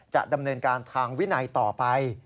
จะดำเนินการทางวินัยต่อไป